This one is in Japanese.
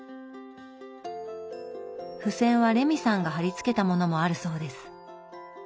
付箋はレミさんが貼り付けたものもあるそうです。